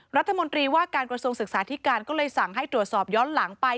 รัฐมนตรีว่าการกระทรวงศึกษาธิการก็เลยสั่งให้ตรวจสอบย้อนหลังไป